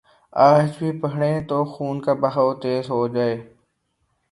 آج بھی پڑھیں تو خون کا بہاؤ تیز ہو جائے۔